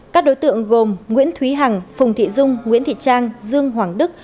các đối tượng gồm nguyễn thúy hằng phùng thị dung nguyễn thị trang dương hoàng đức